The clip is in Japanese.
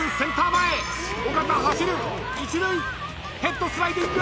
［一塁ヘッドスライディング！